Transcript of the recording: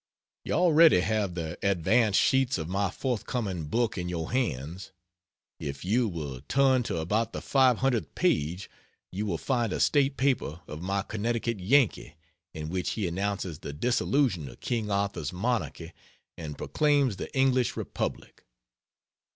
You already have the advance sheets of my forthcoming book in your hands. If you will turn to about the five hundredth page, you will find a state paper of my Connecticut Yankee in which he announces the dissolution of King Arthur's monarchy and proclaims the English Republic.